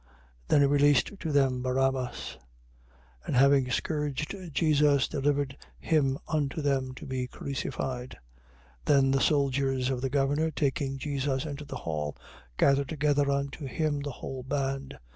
27:26. Then he released to them Barabbas: and having scourged Jesus, delivered him unto them to be crucified. 27:27. Then the soldiers of the governor, taking Jesus into the hall, gathered together unto him the whole band.